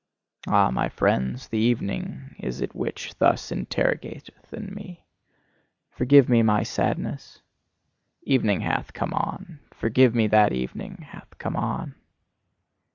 Ah, my friends; the evening is it which thus interrogateth in me. Forgive me my sadness! Evening hath come on: forgive me that evening hath come on!"